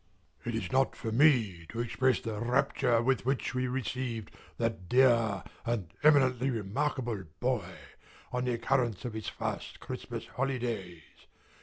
It is not for me to express the rapture with which we received that dear and eminently remarkable boy, on the occurrence of his first Christmas holidays.